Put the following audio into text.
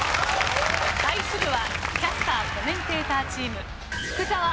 対するはキャスター・コメンテーターチーム福澤朗さん